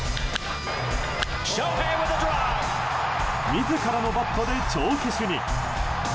自らのバットで帳消しに。